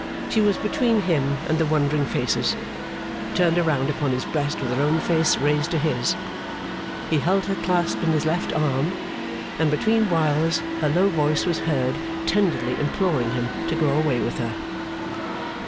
She was between him and the wondering faces, turned round upon his breast with her own face raised to his. He held her clasped in his left arm, and between whiles her low voice was heard tenderly imploring him to go away with her.